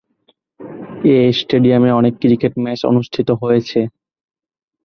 এ স্টেডিয়ামে অনেক cricket match অনুষ্ঠিত হয়েছে।